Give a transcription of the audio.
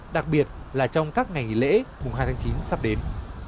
đặc biệt là trong các ngày nghỉ lễ mùng hai tháng chín sắp đến